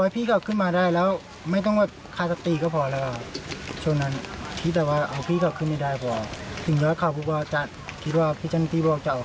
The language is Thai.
เป็นยังไง